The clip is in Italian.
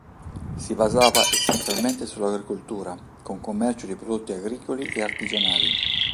Si basava essenzialmente sulla agricoltura, con commercio di prodotti agricoli e artigianali.